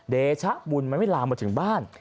เดชะบุญมันไม่ลามมาถึงบ้าน